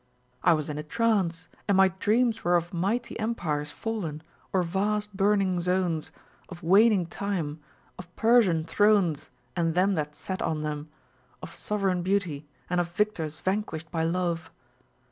I was in a trance, and my dreams were of mighty empires fallen, of vast burning zones, of waning time, of Persian thrones and them that sat on them, of sovereign beauty, and of victors vanquished by love.